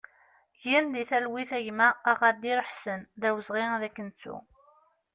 Gen di talwit a gma Aɣadir Aḥsen, d awezɣi ad k-nettu!